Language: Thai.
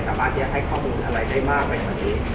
สามารถที่จะให้ข้อมูลอะไรได้มากไปกว่านี้